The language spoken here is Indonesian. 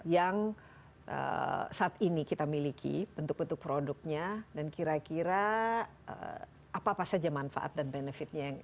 yang saat ini kita miliki bentuk bentuk produknya dan kira kira apa apa saja manfaat dan benefitnya yang